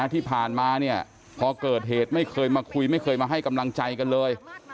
ที่ผ่านมาเนี่ยพอเกิดเหตุไม่เคยมาคุยไม่เคยมาให้กำลังใจกันเลย